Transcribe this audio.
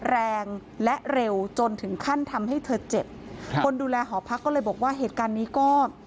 แรงและเร็วจนถึงขั้นทำให้เธอเจ็บครับคนดูแลหอพักก็เลยบอกว่าเหตุการณ์นี้ก็